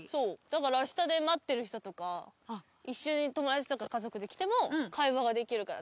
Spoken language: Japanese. だから下で待ってる人とか一緒に友達とか家族で来ても会話ができるから。